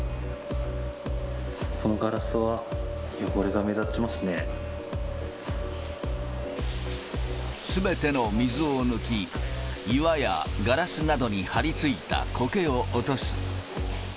このガラスは、汚れが目立ちすべての水を抜き、岩やガラスなどに張り付いたコケを落とす。